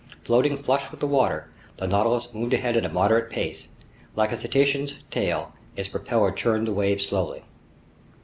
Floating flush with the water, the Nautilus moved ahead at a moderate pace. Like a cetacean's tail, its propeller churned the waves slowly.